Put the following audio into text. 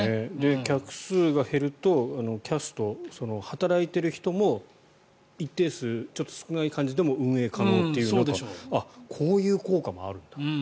客数が減るとキャスト、働いている人も一定数、少ない感じでも運営可能っていうこういう効果もあるんだと。